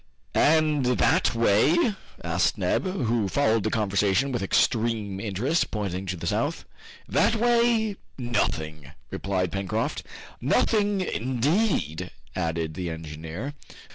"And that way?" asked Neb, who followed the conversation with extreme interest, pointing to the south. "That way, nothing," replied Pencroft. "Nothing, indeed," added the engineer.